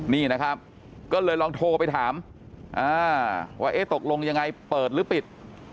นี่นะครับก็เลยลองโทรไปถามว่าเอ๊ะตกลงยังไงเปิดหรือปิด